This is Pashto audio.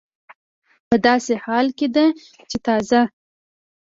دا په داسې حال کې ده چې تازه